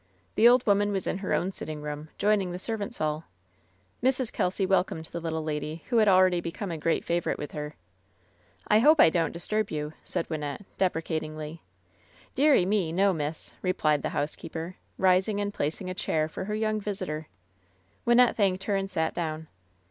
The old woman was in her own sitting room, joining" the servants' hall. Mrs. Kelsy welcomed the little lady, who had already become a great favorite with her. "I hope I don't disturb you," said Wynnette, dep recatingly. "Dearie me, no, miss," replied the housekeeper, rising and placing a chair for her young visitor. Wynnette thanked her and sat down.